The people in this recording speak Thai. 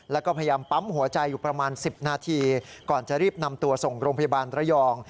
แล้วก็พยายามปั๊มหัวใจอยู่ประมาณ๑๐นาทีก่อนจะรีบนำตัวส่งโรงพยาบาลระยอง